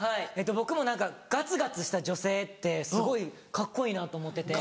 僕もガツガツした女性ってすごいカッコいいなと思ってて。